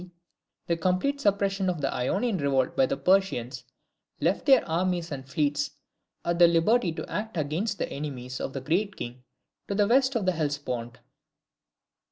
C., the complete suppression of the Ionian revolt by the Persians left their armies and fleets at liberty to act against the enemies of the Great King to the west of the Hellespont.